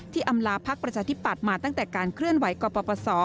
อำลาพักประชาธิปัตย์มาตั้งแต่การเคลื่อนไหวกปศ